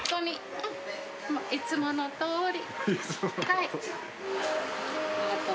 うんいつものとおり。